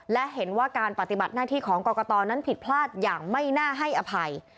และเห็นว่าการปฏิบัติหน้าที่ของกรกตนั้นผิดพลาดอย่างไม่น่าให้อภัย